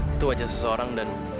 itu wajah seseorang dan